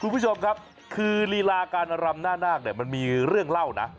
คุณผู้ชมครับคือลีลาการรำหน้านาคเนี่ยมันมีเรื่องเล่านะ